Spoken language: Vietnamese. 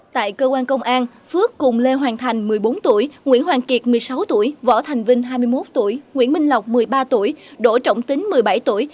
tại cơ quan công an phước cùng lê hoàng thành một mươi bốn tuổi nguyễn hoàng kiệt một mươi sáu tuổi võ thành vinh hai mươi một tuổi nguyễn minh lộc một mươi ba tuổi đỗ trọng tính một mươi bảy tuổi